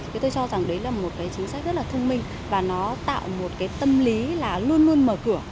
thì tôi cho rằng đấy là một cái chính sách rất là thông minh và nó tạo một cái tâm lý là luôn luôn mở cửa